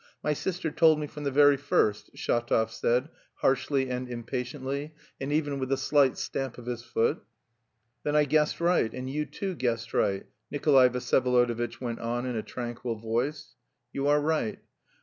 My sister told me from the very first..." Shatov said, harshly and impatiently, and even with a slight stamp of his foot. "Then I guessed right and you too guessed right," Nikolay Vsyevolodovitch went on in a tranquil voice. "You are right.